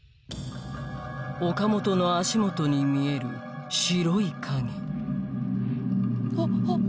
岡本の足元に見える白い影・あっあっ